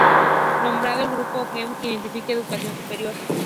Nombraron al grupo "Hed", que significa "educación superior".